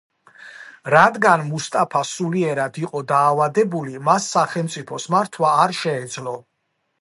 რადგან მუსტაფა სულიერად იყო დაავადებული, მას სახელმწიფოს მართვა არ შეეძლო.